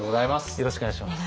よろしくお願いします。